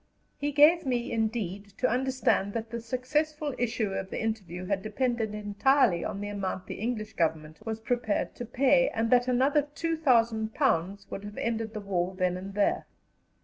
He gave me, indeed, to understand that the successful issue of the interview had depended entirely on the amount the English Government was prepared to pay, and that another £2,000,000 would have ended the war then and there.